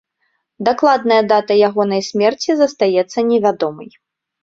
Дакладная дата ягонай смерці застаецца невядомай.